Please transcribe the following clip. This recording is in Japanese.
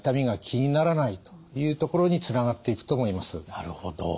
なるほど。